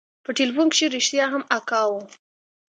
په ټېلفون کښې رښتيا هم اکا و.